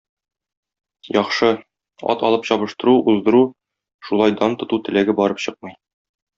Яхшы, ат алып чабыштыру, уздыру, шулай дан тоту теләге барып чыкмый.